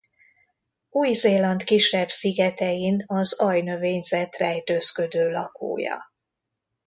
Új-Zéland kisebb szigetein az aljnövényzet rejtőzködő lakója.